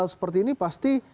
seperti ini pasti